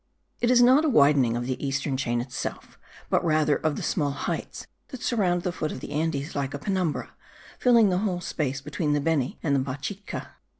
It is not a widening of the eastern chain itself, but rather of the small heights that surround the foot of the Andes like a penumbra, filling the whole space between the Beni and the Pachitca.